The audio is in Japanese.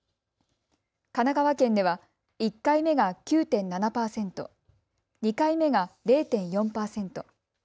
神奈川県では１回目が９．７％、２回目が０．４％。